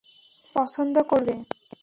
সে পছন্দ করবে।